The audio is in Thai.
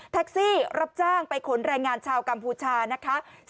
รับจ้างไปขนแรงงานชาวกัมพูชานะคะ